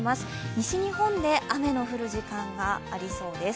西日本で雨の降る時間がありそうです。